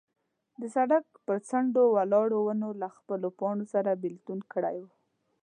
د سړک پر څنډو ولاړو ونو له خپلو پاڼو سره بېلتون کړی و.